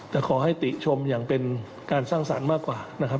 แต่ขอให้ติชมอย่างเป็นการสร้างสรรค์มากกว่านะครับ